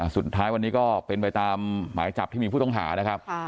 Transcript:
สุดท้ายวันนี้ก็เป็นไปตามหมายจับที่มีผู้ต้องหานะครับ